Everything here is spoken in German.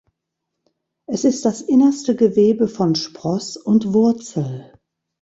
Es ist das innerste Gewebe von Spross und Wurzel.